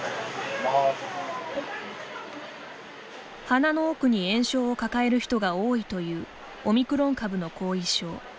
鼻の奥に炎症を抱える人が多いというオミクロン株の後遺症。